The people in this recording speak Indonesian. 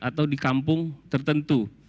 atau di kampung tertentu